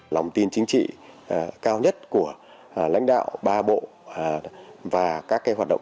lòng tin chính trị cao nhất của lãnh đạo ba bộ và các hoạt động